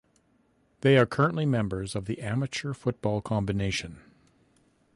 They are currently members of the Amateur Football Combination.